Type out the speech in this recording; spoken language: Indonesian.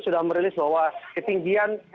sudah merilis bahwa ketinggian